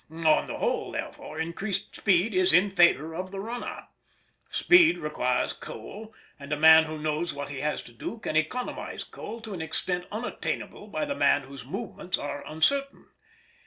On the whole, therefore, increased speed is in favour of the runner. Speed requires coal, and a man who knows what he has to do can economise coal to an extent unattainable by the man whose movements are uncertain.